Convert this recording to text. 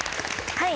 はい。